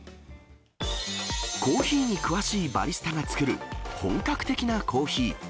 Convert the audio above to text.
コーヒーに詳しいバリスタが作る本格的なコーヒー。